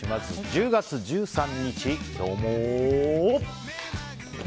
１０月１３日、今日も。